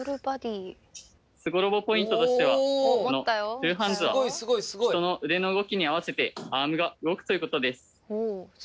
すごロボポイントとしてはこのツーハンズは人の腕の動きに合わせてアームが動くということです。